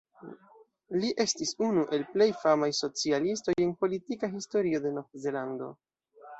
Li estis unu el plej famaj socialistoj en la politika historio de Novzelando.